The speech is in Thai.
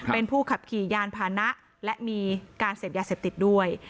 เป็นผู้ขับขี่ยานพานะและมีการเสพยาเสพติดด้วย